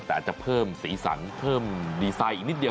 แต่อาจจะเพิ่มสีสันเพิ่มดีไซน์อีกนิดเดียว